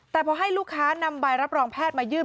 แต่พอให้ลูกค้านำใบรับรองแพทย์มายื่น